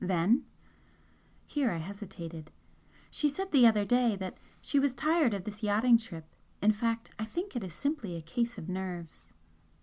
Then" here I hesitated "she said the other day that she was tired of this yachting trip in fact, I think it is simply a case of nerves."